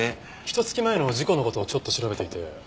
ひと月前の事故の事をちょっと調べていて。